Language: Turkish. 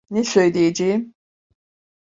Ne söyleyeceğim?